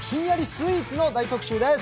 スイーツの大特集です。